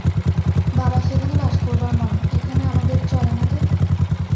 বাবার সেখানে বাস করবার মন, এখানে আমাদেব চলে না যে?